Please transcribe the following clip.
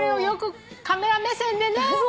よくカメラ目線でね。